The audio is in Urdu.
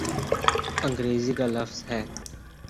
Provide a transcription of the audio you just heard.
انگریزی کا لفظ ہے۔